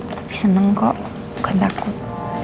tapi seneng kok bukan takut